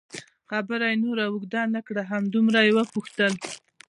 خبره یې نوره اوږده نه کړه، همدومره یې وپوښتل.